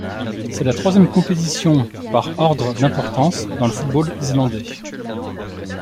C'est la troisième compétition par ordre d'importance dans le football islandais.